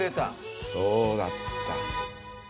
そうだった。